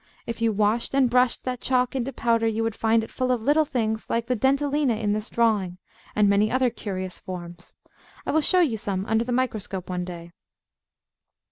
If you washed and brushed that chalk into powder, you would find it full of little things like the Dentalina in this drawing, and many other curious forms. I will show you some under the microscope one day.